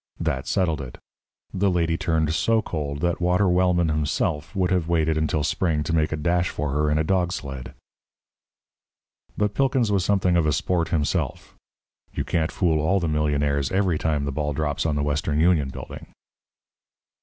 That settled it. The lady turned so cold that Walter Wellman himself would have waited until spring to make a dash for her in a dog sled. But Pilkins was something of a sport himself. You can't fool all the millionaires every time the ball drops on the Western Union Building.